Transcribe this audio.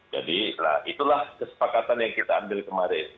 jadi nah itulah kesepakatan yang kita ambil kemarin